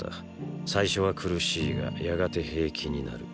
最初は苦しいがやがて平気になる。